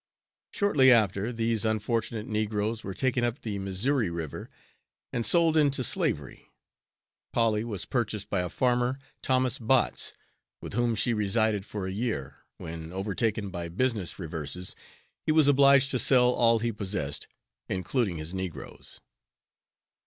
Shortly after, these unfortunate negroes were taken up the Missouri River and sold into slavery. Polly was purchased by a farmer, Thomas Botts, with whom she resided for a year, when, overtaken by business reverses, he was obliged to sell all he possessed, including his negroes.